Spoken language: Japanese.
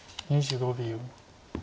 ２５秒。